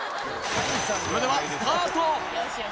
それではスタート